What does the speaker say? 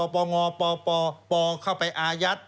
ป่องอป่อเข้าไปอายัด